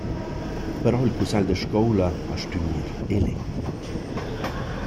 Però il cussagl da scoula ha stuvü gnir elet.